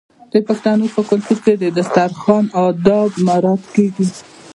د پښتنو په کلتور کې د دسترخان اداب مراعات کیږي.